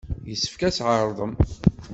Yessefk ad tɛerḍem!